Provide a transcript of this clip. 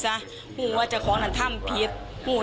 ช่วยเร่งจับตัวคนร้ายให้ได้โดยเร่ง